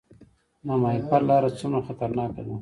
د ماهیپر لاره څومره خطرناکه ده؟